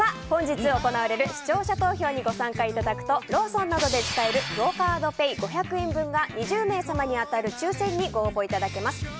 本日行われる視聴者投票にご参加いただくとローソンなどで使えるクオ・カードペイ５００円分が２０名様に当たる抽選にご応募いただけます。